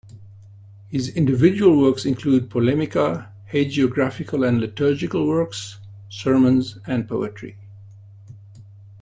His individual works included polemica, hagiographical and liturgical works, sermons and poetry.